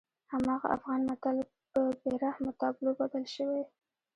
هماغه افغان متل په بېرحمه تابلو بدل شوی.